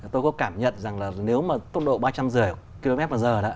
tôi có cảm nhận rằng là nếu mà tốc độ ba trăm linh kmh